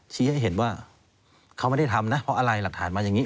ให้เห็นว่าเขาไม่ได้ทำนะเพราะอะไรหลักฐานมาอย่างนี้